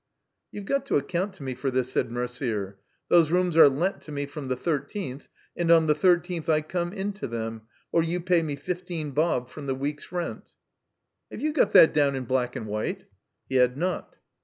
"You've got to account to me for this," said Merder. "Those rooms are let to me from the thirteenth, and on the thirteenth I come into them, or you pay me fifteen bob for the week's rent." "Have you got that down in black and white?" He had not.